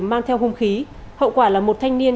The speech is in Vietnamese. mang theo hung khí hậu quả là một thanh niên